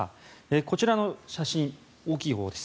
こちらの写真、大きいほうです。